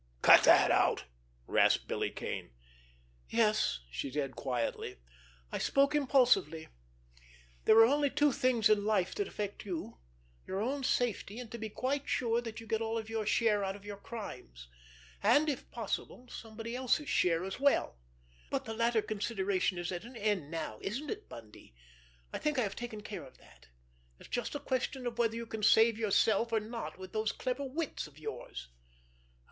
"Cut that out!" rasped Billy Kane. "Yes," she said quietly, "I spoke impulsively. There are only two things in life that affect you—your own safety, and to be quite sure that you get all of your share out of your crimes, and, if possible, somebody else's share as well. But the latter consideration is at an end now, isn't it, Bundy? I think I have taken care of that. It's just a question of whether you can save yourself or not with those clever wits of yours.